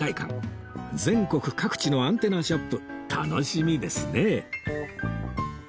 全国各地のアンテナショップ楽しみですね